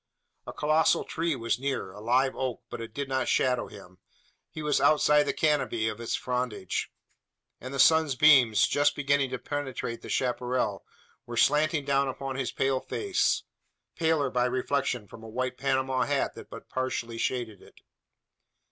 A colossal tree was near, a live oak, but it did not shadow him. He was outside the canopy of its frondage; and the sun's beams, just beginning to penetrate the chapparal, were slanting down upon his pale face paler by reflection from a white Panama hat that but partially shaded it.